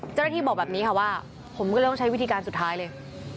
เจ้าหน้าที่บอกแบบนี้ค่ะว่าผมก็เลยต้องใช้วิธีการสุดท้ายเลย